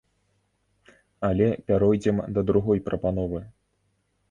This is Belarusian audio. Але пяройдзем да другой прапановы.